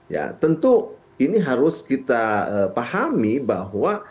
ya tentu ini harus kita pahami bahwa